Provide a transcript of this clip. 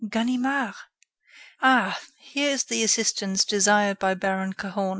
Ganimard! Ah, here is the assistance desired by Baron Cahorn!